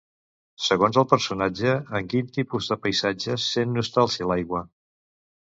Segons el personatge, en quin tipus de paisatges sent nostàlgia l'aigua?